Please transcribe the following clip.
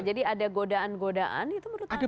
jadi ada godaan godaan itu menurut anda